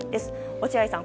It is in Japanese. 落合さん